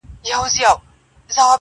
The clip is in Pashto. هم لقمان مي ستړی کړی هم اکسیر د حکیمانو-